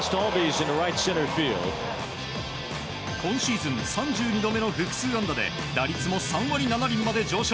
今シーズン３２度目の複数安打で打率も３割７厘まで上昇。